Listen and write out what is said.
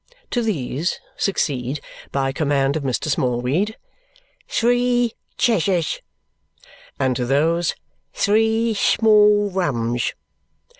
To these succeed, by command of Mr. Smallweed, "three Cheshires," and to those "three small rums."